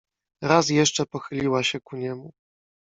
"Raz jeszcze pochyliła się ku niemu."